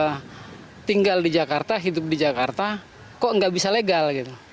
kita sejak lahir di jakarta tinggal di jakarta hidup di jakarta kok tidak bisa legal